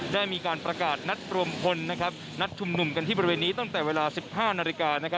ได้มีการประกาศนัดรวมพลนัดชุมนุมกันที่บริเวณนี้ตั้งแต่เวลา๑๕นาฬิกา